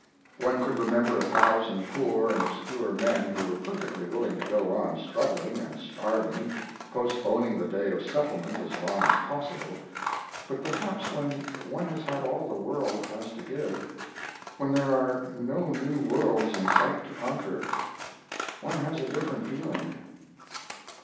One could remember a thousand poor and obscure men who were perfectly willing to go on struggling and starving, postponing the day of settlement as long as possible; but perhaps, when one has had all the world has to give, when there are no new worlds in sight to conquer, one has a different feeling.